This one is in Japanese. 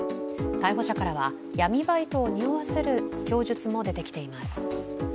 逮捕者からは闇バイトをにおわせる供述も出てきています。